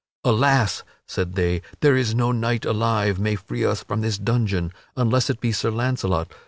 "Alas," said they, "there is no knight alive may free us from this dungeon, unless it be Sir Launcelot.